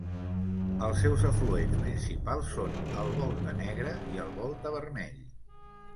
Els seus afluents principals són el Volta Negre i el Volta Vermell.